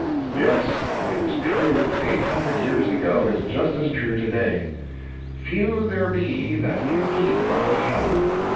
Yes, what was true eight hundred years ago, is just as true today: "Few there be that can keep a hotel."